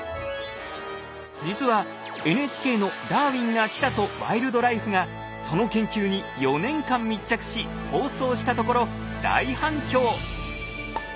実はＮＨＫの「ダーウィンが来た！」と「ワイルドライフ」がその研究に４年間密着し放送したところ大反響。